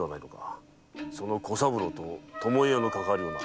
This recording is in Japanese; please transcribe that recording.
その小三郎と巴屋のかかわりをな。